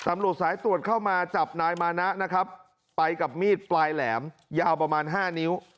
ตำรวจสายตรวจเข้ามาจับนายมานะนะครับไปกับมีดปลายแหลมยาวประมาณ๕นิ้ว